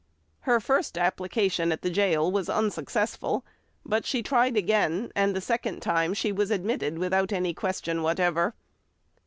Her first application at the gaol was unsuccessful; but she tried again, and the second time she was admitted without any question whatever.